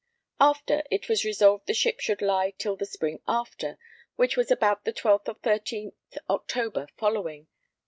After, it was resolved the ship should lie till the spring after, which was about the 12th or 13th October following.